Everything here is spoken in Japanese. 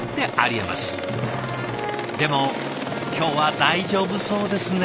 でも今日は大丈夫そうですね。